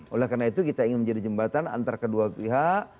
oleh karena itu kita ingin menjadi jembatan antara kedua pihak